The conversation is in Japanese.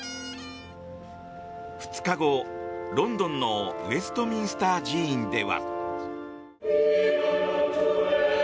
２日後、ロンドンのウェストミンスター寺院では。